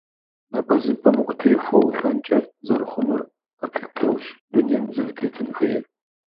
Напӏэзыпӏэм укъытехуэу улӏэнкӏэ зэрыхъунур къэплъытэущ дунейм узэрытетын хуейр.